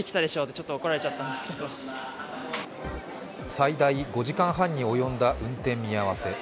最大５時間半に及んだ運転見合わせ